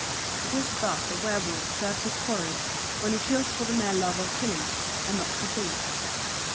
It is thus a werwolf serves his quarry when he kills for the mere love of killing, and not for food.